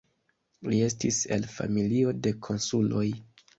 Li estis el familio de konsuloj.